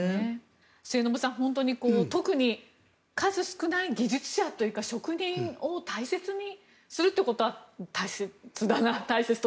末延さん、特に数少ない技術者というか職人を大切にするっていうことは大切だなと。